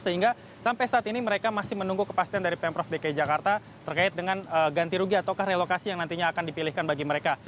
sehingga sampai saat ini mereka masih menunggu kepastian dari pemprov dki jakarta terkait dengan ganti rugi atau relokasi yang nantinya akan dipilihkan bagi mereka